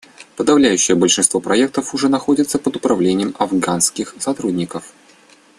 Подавляющее большинство проектов уже находится под управлением афганских сотрудников.